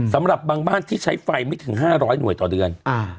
สำหรับบางบ้านที่ใช้ไฟไม่ถึง๕๐๐หน่วยต่อเดือน